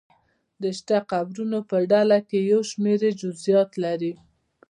د شته قبرونو په ډله کې یو شمېر یې جزییات لري.